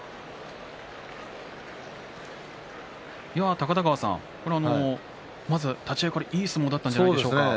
高田川さん、まず立ち合いからいい相撲だったんじゃないでしょうか。